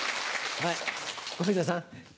はい小遊三さん